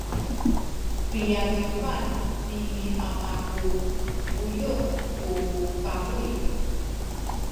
piadupan ni ama ku buyu’ tu pabuy.